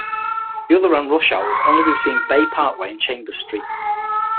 The other ran rush hours only between Bay Parkway and Chambers Street.